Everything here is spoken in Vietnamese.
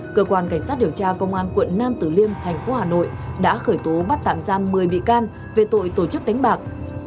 cơ quan cảnh sát điều tra công an quận nam tử liêm thành phố hà nội đã khởi tố bắt tạm giam một mươi bị can về tội tổ chức đánh bạc